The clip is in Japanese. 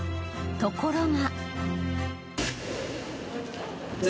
［ところが］